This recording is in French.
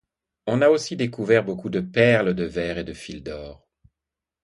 On a aussi découvert beaucoup de perles de verre et de fils d'or.